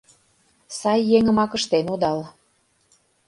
Сай еҥымак ыштен одал!..